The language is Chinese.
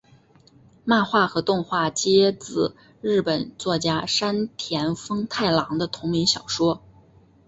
漫画和动画皆自日本作家山田风太郎的同名小说。